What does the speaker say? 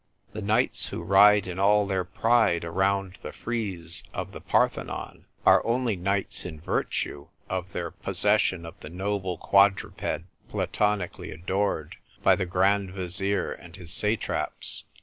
The knights who ride in all their pride around the frieze of the Par thenon are only knights in virtue of their pos session of the noble quadruped platonically adored by the Grand Vizier and his satraps.